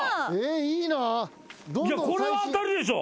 これは当たりでしょ。